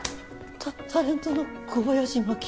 タッタレントの小林麻紀！